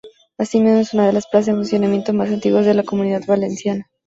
Asimismo, es una de las plazas en funcionamiento más antiguas de la Comunidad Valenciana.